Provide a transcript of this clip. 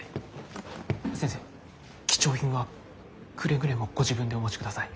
先生貴重品はくれぐれもご自分でお持ちください。